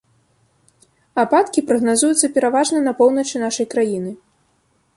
Ападкі прагназуюцца пераважна на поўначы нашай краіны.